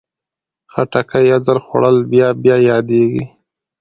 خټکی یو ځل خوړل بیا بیا یادېږي.